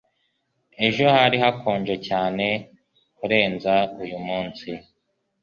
Ejo hari hakonje cyane kurenza uyumunsi